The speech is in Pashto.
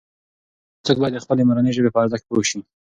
هر څوک باید د خپلې مورنۍ ژبې په ارزښت پوه سي.